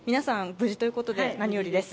無事ということで何よりです。